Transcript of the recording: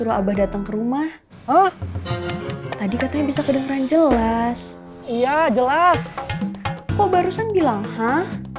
kok barusan bilang hah